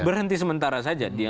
berhenti sementara saja